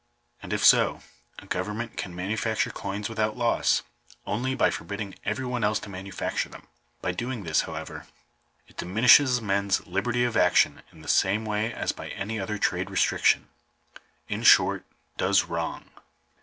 And if so, a government can manufacture coins without loss, only by forbidding every one else to manufacture them. By doing this, however, it diminishes mens liberty of action in the same way as by any other trade restriction — in short, does wrong.